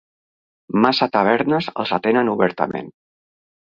Massa tavernes els atenen obertament.